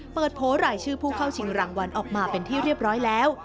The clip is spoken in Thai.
โพสต์รายชื่อผู้เข้าชิงรางวัลออกมาเป็นที่เรียบร้อยแล้ว